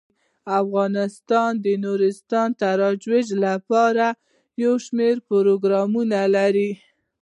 افغانستان د نورستان د ترویج لپاره یو شمیر پروګرامونه لري.